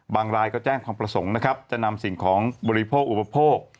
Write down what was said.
รายก็แจ้งความประสงค์นะครับจะนำสิ่งของบริโภคอุปโภค